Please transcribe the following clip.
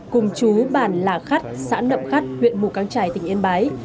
cùng chú bản lạ khắt sãn đậm khắt huyện mù căng trải tỉnh yên bái